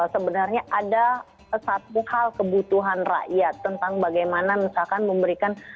sebenarnya ada satu hal kebutuhan rakyat tentang bagaimana misalkan memberikan